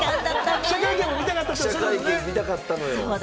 記者会見、見たかったのよ。